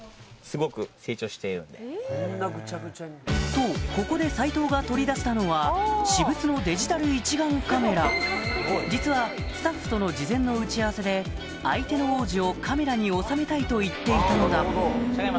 とここで斎藤が取り出したのは私物のデジタル一眼カメラ実はスタッフとの事前の打ち合わせで相手の王子をカメラに収めたいと言っていたのだはい。